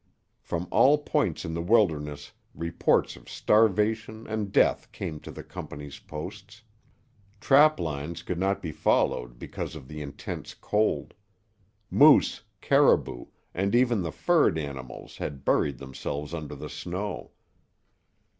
From all points in the wilderness reports of starvation and death came to the company's posts. Trap lines could not be followed because of the intense cold. Moose, caribou, and even the furred animals had buried themselves under the snow.